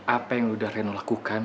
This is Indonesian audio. apa yang sudah reno lakukan